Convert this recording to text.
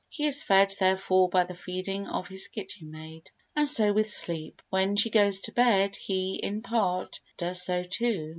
He is fed therefore by the feeding of his kitchen maid. And so with sleep. When she goes to bed he, in part, does so too.